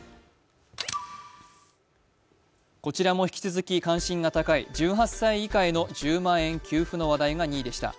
こちらも引き続き関心が高い１８歳以下への１０万円給付の話題が２位でした。